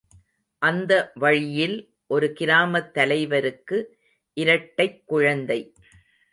அந்த வழியில் ஒரு கிராமத் தலைவருக்கு இரட்டைக் குழந்தை.